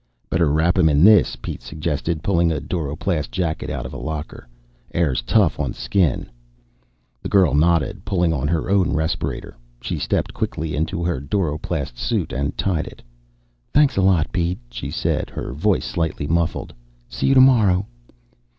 "Better wrap him in this," Pete suggested, pulling a duroplast jacket out of the locker. "Air's tough on skin." The girl nodded, pulling on her own respirator. She stepped quickly into her duroplast suit and tied it. "Thanks a lot, Pete," she said, her voice slightly muffled. "See you tomorrow."